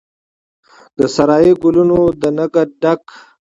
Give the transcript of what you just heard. د سارایي ګلونو د نګهت ډک،